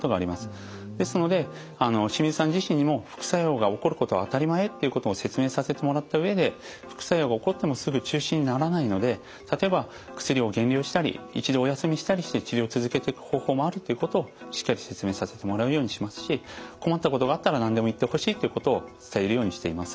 ですので清水さん自身にも副作用が起こることは当たり前っていうことを説明させてもらった上で副作用が起こってもすぐ中止にならないので例えば薬を減量したり一度お休みしたりして治療を続けていく方法もあるということをしっかり説明させてもらうようにしますし困ったことがあったら何でも言ってほしいということを伝えるようにしています。